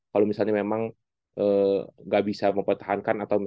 kalau misalnya memang nggak bisa mempertahankan atau